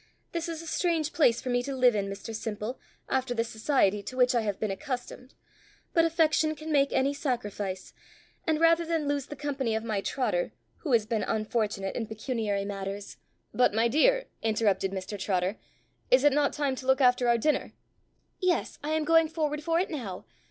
This is a strange place for me to live in, Mr Simple, after the society to which I have been accustomed; but affection can make any sacrifice; and rather than lose the company of my Trotter, who has been unfortunate in pecuniary matters " "But, my dear," interrupted Mr Trotter, "is it not time to look after our dinner?" "Yes; I am going forward for it now.